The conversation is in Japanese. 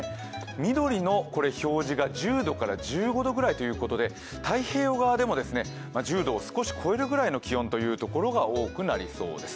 緑の表示が１０１５度ぐらいということで太平洋側でも１０度を少し超えるぐらいの気温が多くなりそうです。